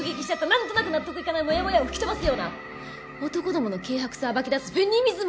なんとなく納得いかないモヤモヤを吹き飛ばすような男どもの軽薄さを暴き出すフェミニズムに満ちた番組で！